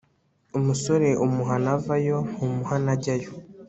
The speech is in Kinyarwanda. umusore umuhana avayo ntumuhana ajyayo